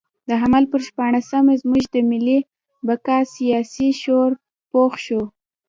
د حمل پر شپاړلسمه زموږ د ملي بقا سیاسي شعور پوخ شو.